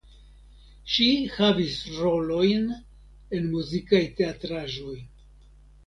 Ŝi havis rolojn en muzikaj teatraĵoj.